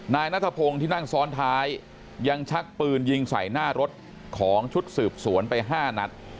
นายนัทพงศ์ที่นั่งซ้อนท้ายยังชักปืนยิงใส่หน้ารถของชุดสืบสวนไป๕นัด